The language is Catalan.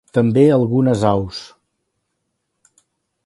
També algunes aus.